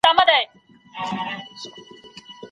د هري لیکني پر وړاندي مخالف دلایل ومومئ.